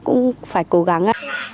cũng phải cố gắng